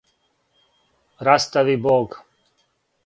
растави Бог